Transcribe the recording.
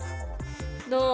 どう？